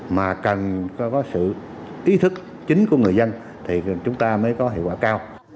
mà cần có sự ý thức chính của người dân thì chúng ta mới có hiệu quả cao